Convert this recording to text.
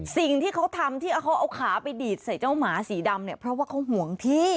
สิ่งที่เขาทำที่เขาเอาขาไปดีดใส่เจ้าหมาสีดำเนี่ยเพราะว่าเขาห่วงที่